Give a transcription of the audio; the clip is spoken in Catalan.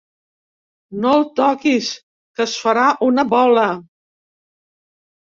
No el toquis, que es farà una bola!